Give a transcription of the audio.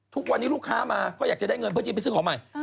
ทุกวันนี้ลูกค้ามาก็อยากจะได้เงินเพื่อจะไปซื้อของใหม่